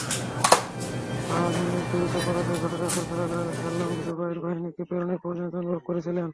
হাওয়াযিনের দ্রুত পরাজয় ঘটাতে রাসূল সাল্লাল্লাহু আলাইহি ওয়াসাল্লাম যুবাইর বাহিনীকে প্রেরণের প্রয়োজনীয়তা অনুভব করেছিলেন।